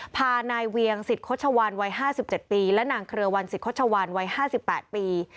พานายเวียงสิทธิ์โคชวรวัย๕๗ปีและหนังเครือวันสิทธิ์โคชวรวัย๕๘ปี